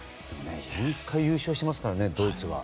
４回優勝していますからねドイツは。